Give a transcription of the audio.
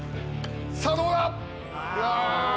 さあどうだ？